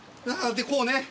でこうね。